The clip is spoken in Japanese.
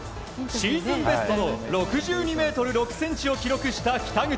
シーズンベストの６２ｍ６ｃｍを記録した北口。